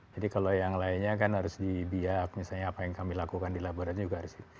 jadi kalau yang lainnya kan harus dibiak misalnya apa yang kami lakukan di laborat juga harus